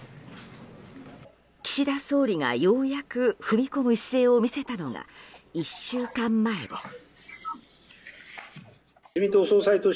岸田総理が、ようやく踏み込む姿勢を見せたのが１週間前です。